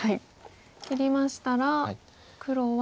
切りましたら黒は。